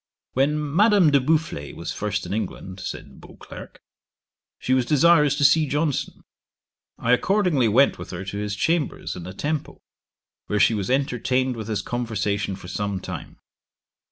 'When Madame de Boufflers was first in England, (said Beauclerk,) she was desirous to see Johnson. I accordingly went with her to his chambers in the Temple, where she was entertained with his conversation for some time.